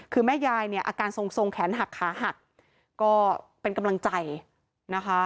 คือแม่ยายเนี่ยอาการทรงแขนหักขาหักก็เป็นกำลังใจนะคะ